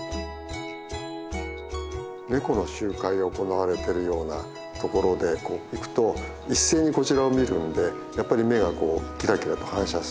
ネコの集会を行われてるようなところへ行くと一斉にこちらを見るんでやっぱり目がキラキラと反射する。